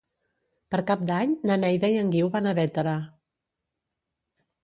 Per Cap d'Any na Neida i en Guiu van a Bétera.